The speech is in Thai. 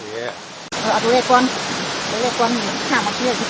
หลุดหลานมาลุก